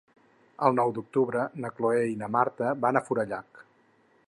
El nou d'octubre na Cloè i na Marta van a Forallac.